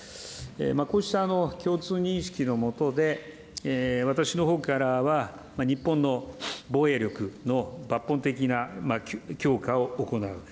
こうした共通認識のもとで、私のほうからは、日本の防衛力の抜本的な強化を行う。